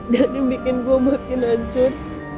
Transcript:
dan yang bikin gue makin hancur